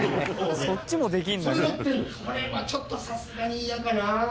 それはちょっとさすがに嫌かな。